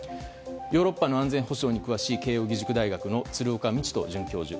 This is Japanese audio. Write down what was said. ヨーロッパの安全保障に詳しい慶應義塾大学の鶴岡路人准教授